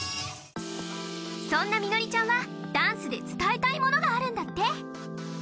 そんなミノリちゃんはダンスで伝えたいものがあるんだって。